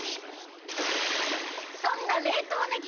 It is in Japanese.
そんな冷凍ねぎ